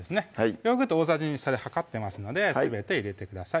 ヨーグルト大さじ２量ってますのですべて入れてください